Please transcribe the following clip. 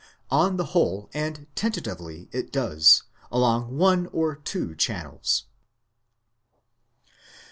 On the whole and tentatively it does, along one or two channels.